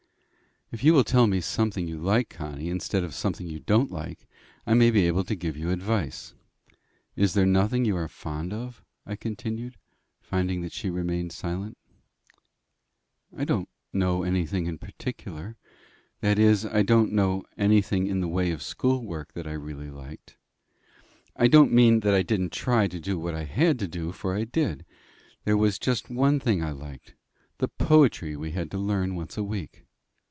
"If you will tell me something you like, Connie, instead of something you don't like, I may be able to give you advice. Is there nothing you are fond of?" I continued, finding that she remained silent. "I don't know anything in particular that is, I don't know anything in the way of school work that I really liked. I don't mean that I didn't try to do what I had to do, for I did. There was just one thing I liked the poetry we had to learn once a week.